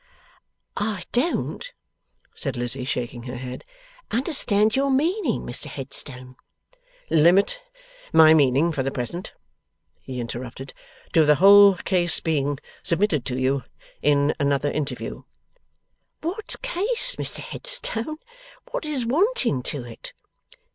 'I don't,' said Lizzie, shaking her head, 'understand your meaning, Mr Headstone.' 'Limit my meaning for the present,' he interrupted, 'to the whole case being submitted to you in another interview.' 'What case, Mr Headstone? What is wanting to it?